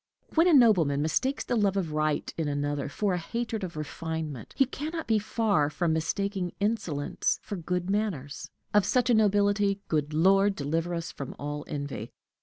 When a nobleman mistakes the love of right in another for a hatred of refinement, he can not be far from mistaking insolence for good manners. Of such a nobility, good Lord, deliver us from all envy!